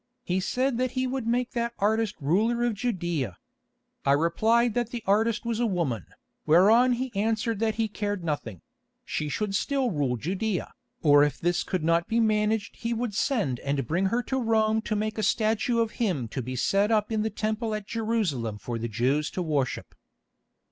He said that he would make that artist ruler of Judæa. I replied that the artist was a woman, whereon he answered that he cared nothing—she should still rule Judæa, or if this could not be managed he would send and bring her to Rome to make a statue of him to be set up in the Temple at Jerusalem for the Jews to worship.